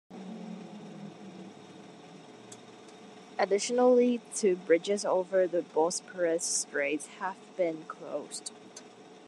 Additionally, two bridges over the Bosporus Strait have been closed.